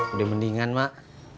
udah mendingan emak